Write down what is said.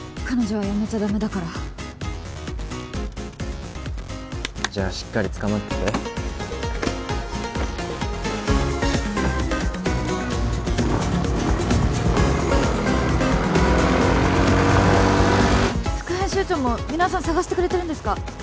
彼女は辞めちゃダメだからじゃあしっかりつかまってて副編集長も皆さん探してくれてるんですか？